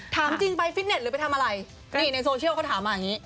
ถามจริงไปฟิตเน็ตหรือไปทำอะไรนี่ในโซเชียลเขาถามมาอย่างนี้